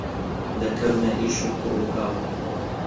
دەکەونە ئیش کوڕ و کاڵ